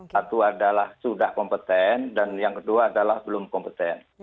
satu adalah sudah kompeten dan yang kedua adalah belum kompeten